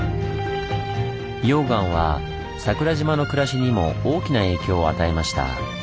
溶岩は桜島の暮らしにも大きな影響を与えました。